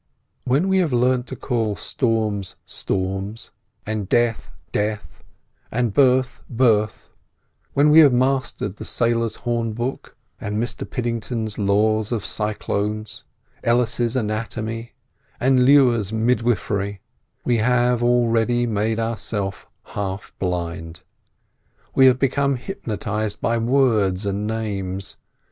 When we have learned to call storms, storms, and death, death, and birth, birth; when we have mastered the sailor's horn book, and Mr Piddington's law of cyclones, Ellis's anatomy, and Lewer's midwifery, we have already made ourselves half blind. We have become hypnotised by words and names.